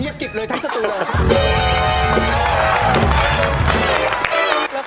เฮ่ยอย่ากินเลยทั้งศิษณีย์เลยครับ